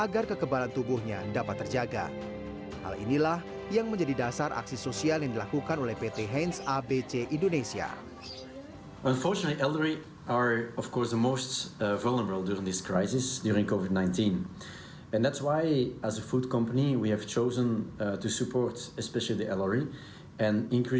karena mereka juga menyadari bahwa partisipasi dalam kegiatan keuntungan posisi seperti ini